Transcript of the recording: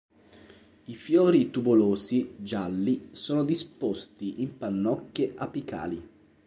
I fiori tubulosi, gialli, sono disposti in pannocchie apicali.